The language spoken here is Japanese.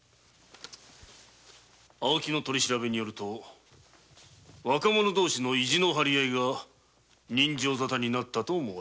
青木の取り調べによると若者同士の意地の張り合いが刃傷沙汰になったと思われる。